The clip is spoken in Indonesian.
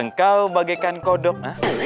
engkau bagaikan kodok